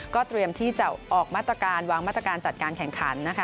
เตรียมที่จะออกมาตรการวางมาตรการจัดการแข่งขันนะคะ